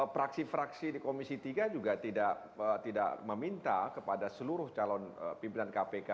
fraksi fraksi di komisi tiga juga tidak meminta kepada seluruh calon pimpinan kpk